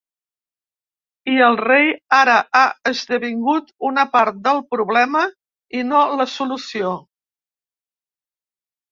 I el rei ara ha esdevingut una part del problema i no la solució.